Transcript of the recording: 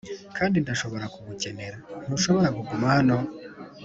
kandi ndashobora kugukenera; ntushobora kuguma hano? "